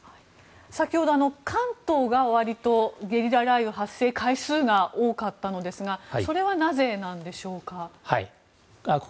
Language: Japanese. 先ほど、関東が割とゲリラ雷雨の発生回数が多かったのですがそれはなぜなんでしょうか？